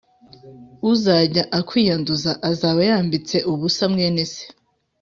Uzajya ukwiyanduza azaba yambitse ubusa mwene se